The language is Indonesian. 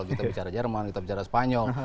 kita bicara jerman kita bicara spanyol